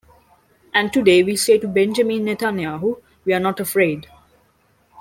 And today we say to Benjamin Netanyahu: We are not afraid.